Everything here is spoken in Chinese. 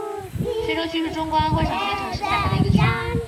宣州区是中国安徽省宣城市下辖的一个区。